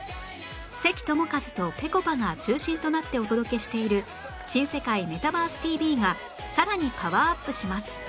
関智一とぺこぱが中心となってお届けしている『新世界メタバース ＴＶ！！』がさらにパワーアップします